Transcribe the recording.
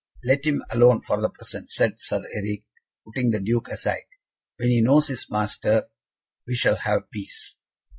"Let him alone for the present," said Sir Eric, putting the Duke aside, "when he knows his master, we shall have peace."